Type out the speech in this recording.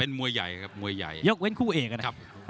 มวยใหญ่ครับมวยใหญ่ยกเว้นคู่เอกนะครับ